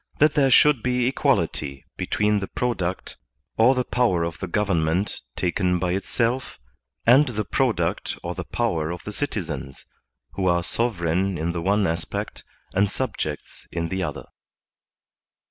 GOVERNMENT IN GENERAL 51 that there should be equality between the product or the power of the government taken by itself, and the product or the power of the citizens, who are sovereign in the one aspect and subjects in the other.